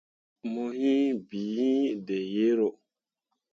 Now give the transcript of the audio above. Mo hiŋ bii iŋ dǝyeero.